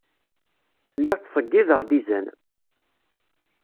Lliɣ ttṣeyyideɣ-d izan.